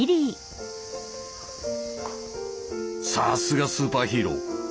さすがスーパーヒーロー。